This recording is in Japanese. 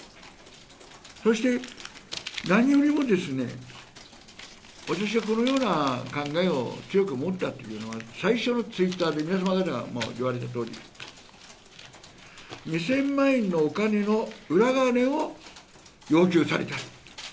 そして、何よりも私はこのような考えを強く持ったというのは、最初のＴｗｉｔｔｅｒで、皆様方が言われたとおり、２０００万円のお金の裏金を要求されたと。